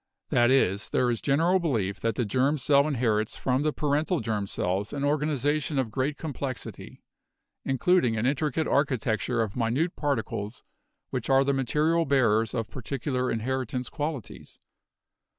That is, there is general belief that the germ cell inherits from the parental germ cells an organization of great complexity, including an intricate architecture of minute particles which are the material bearers of particu lar inheritance qualities.